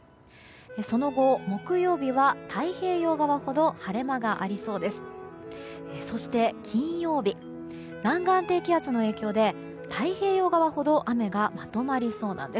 その後、木曜日は太平洋側ほど晴れ間がありそうです。